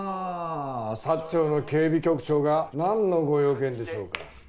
サッチョウの警備局長がなんのご用件でしょうか？